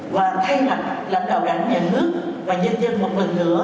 và thay mặt lãnh đạo đảng nhà nước và nhân dân một lần nữa